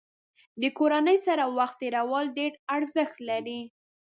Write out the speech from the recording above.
د کورنۍ سره وخت تېرول ډېر ارزښت لري.